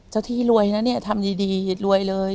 ที่รวยนะเนี่ยทำดีรวยเลย